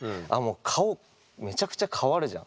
顔めちゃくちゃ変わるじゃん。